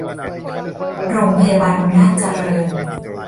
โรงพยาบาลอำนาจเจริญ